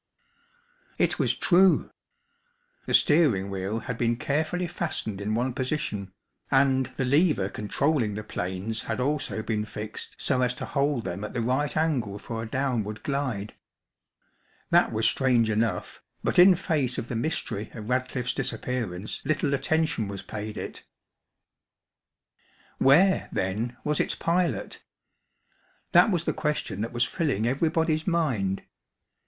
It was true. The steering wheel had been carefully fastened in one position, and the lever controlling the planes had also been fixed so as to hold them at the right angle for a downward glide. That was strange enough, but in face of the mystery of Radcliffe's disappearance little attention was paid it. Where, then, was its pilot? That was the question that was filling everybody's mind.